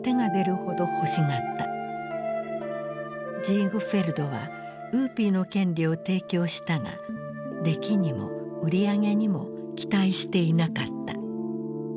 ジーグフェルドは「ウーピー」の権利を提供したが出来にも売り上げにも期待していなかった。